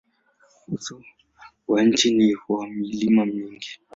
Uso wa nchi ni wa milima mingi.